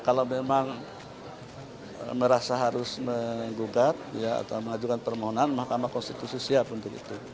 kalau memang merasa harus menggugat atau mengajukan permohonan mahkamah konstitusi siap untuk itu